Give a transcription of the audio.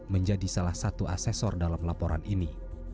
menjadi salah satu asesor dalam laporan ini